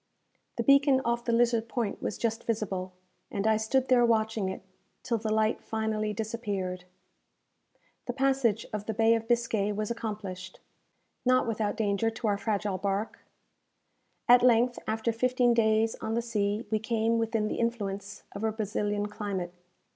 The beacon off the Lizard Point was just visible, and I stood there watching it, till the light finally disappeared. The passage of the Bay of Biscay was accomplished, not without danger to our fragile bark. At length, after fifteen days on the sea, we came within the influence of a Brazilian climate.